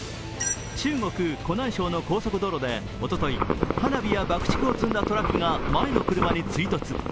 中国・湖南省の高速道路でおととい花火や爆竹を積んだ車が前の車に追突。